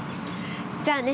◆じゃあね。